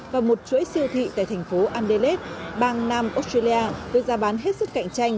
và một chuỗi siêu thị tại thành phố andalus bang nam australia được ra bán hết sức cạnh tranh